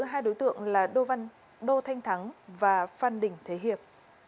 hai đối tượng là đô thanh thắng và phan đình thế hiệp